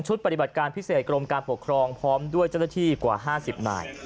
ปฏิบัติการพิเศษกรมการปกครองพร้อมด้วยเจ้าหน้าที่กว่า๕๐นาย